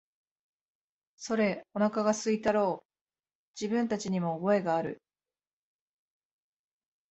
それ、おなかが空いたろう、自分たちにも覚えがある、